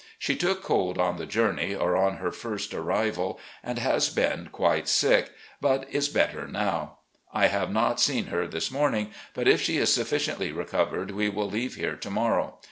She took cold on the journey or on her first arrival, and THE SOUTHERN TRIP 397 has been quite sick, but is better now. I have not seen her this morning, but if she is sufficiently recovered we will leave here to morrow.